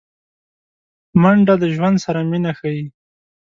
منډه د ژوند سره مینه ښيي